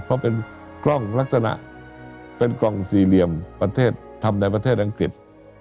เพราะเป็นกล้องลักษณะเป็นกล่องสี่เหลี่ยมประเทศทำในประเทศอังกฤษ